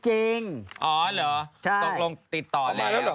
อ๋อเหรอตกลงติดต่อเลย